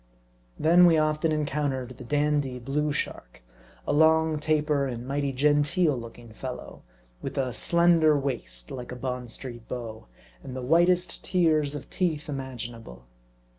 Then we often encountered the dandy Blue Shark, a long, taper and mighty genteel looking fellow, with a slender waist, like a Bond street beau, and the whitest tiers of teeth imag inable.